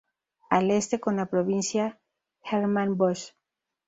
Al este con la provincia Germán Busch.